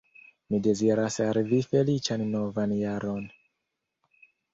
Mi deziras al vi feliĉan novan jaron!